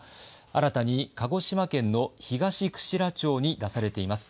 新たに鹿児島県の東串良町に出されています。